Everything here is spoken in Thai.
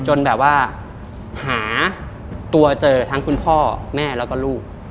จนแบบว่าหาตัวเจอทั้งคุณพ่อแม่แล้วก็ลูก